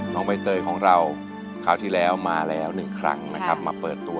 น้องไบเตยของเราเข้าที่แล้วมาแล้วหนึ่งครั้งนะค่ะมาเปิดตัว